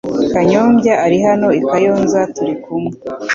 Kanyombya ari hano i Kayonza turi kumwe .